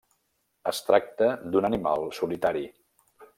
Es tracta d'un animal solitari.